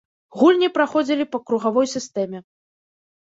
Гульні праходзілі па кругавой сістэме.